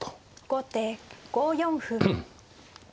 後手５四歩。